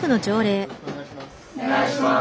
お願いします。